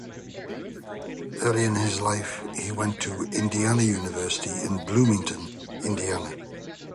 Earlier in his life he went to Indiana University in Bloomington, Indiana.